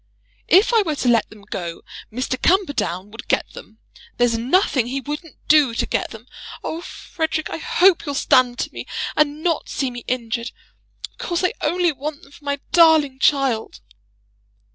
"If I were to let them go, Mr. Camperdown would get them. There's nothing he wouldn't do to get them. Oh, Frederic, I hope you'll stand to me, and not see me injured. Of course I only want them for my darling child."